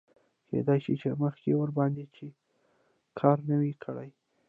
کیدای شي چې مخکې ورباندې چا کار نه وي کړی.